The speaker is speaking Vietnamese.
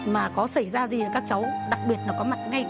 mà có xảy ra gì các cháu đặc biệt là có mặt ngay